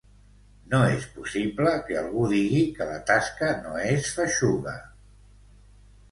No és possible que algú digui que la tasca no és feixuga….